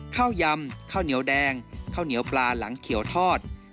ยำข้าวเหนียวแดงข้าวเหนียวปลาหลังเขียวทอด